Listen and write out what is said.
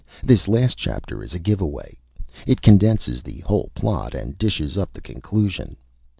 This last Chapter is a Give Away. It condenses the whole Plot and dishes up the Conclusion.